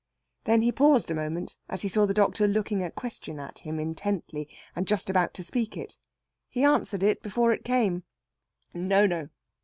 Then he paused a moment, as he saw the doctor looking a question at him intently, and just about to speak it. He answered it before it came: "No, no!